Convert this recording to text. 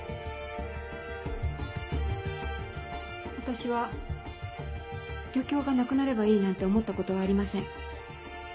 私は漁協がなくなればいいなんて思ったことはありません。